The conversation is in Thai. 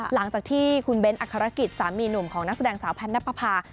หลังจากที่คุณเบ้นอักษรกิจสามีหนุ่มของนักแสดงสาวแพทย์นับประพา